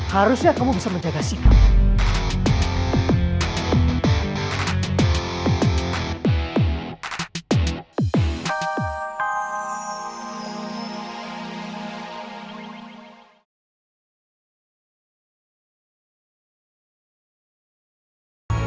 harusnya kamu bisa menjaga sikap